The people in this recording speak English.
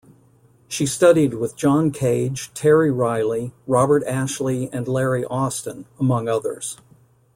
She studied with John Cage, Terry Riley, Robert Ashley, and Larry Austin, among others.